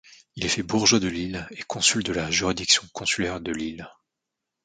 Il est fait Bourgeois de Lille et Consul de la juridiction consulaire de Lille.